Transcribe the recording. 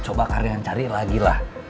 coba kalian cari lagi lah